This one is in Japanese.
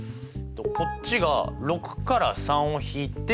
こっちが６から３を引いて３人。